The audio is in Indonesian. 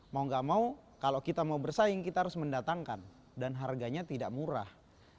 mau gak mau kalau kita mau bersaing kita harus mendatangkan dan harganya tidak murah